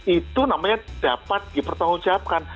itu namanya dapat dipertanggungjawabkan